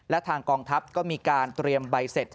และทางกองทัพก็มีการเตรียมใบเสร็จ